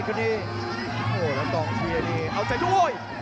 ออหละตะเบ่งเอาใส่ด้วย